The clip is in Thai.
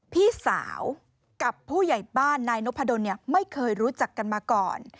พี่สาวกับผู้ใหญ่บ้านนายนพดลไม่เคยรู้จักกันมาก่อน